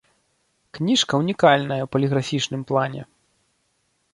Кніжка ўнікальная ў паліграфічным плане.